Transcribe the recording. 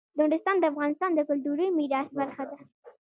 نورستان د افغانستان د کلتوري میراث برخه ده.